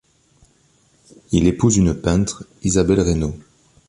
Il épouse une peintre, Isabelle Reynaud.